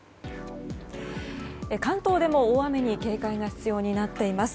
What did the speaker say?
関東でも大雨に警戒が必要になっています。